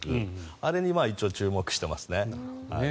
あれに注目してますね。